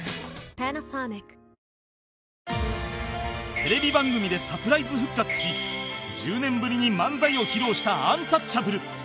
テレビ番組でサプライズ復活し１０年ぶりに漫才を披露したアンタッチャブル